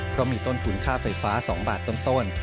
เพราะมีต้นทุนค่าไฟฟ้า๒บาทต้น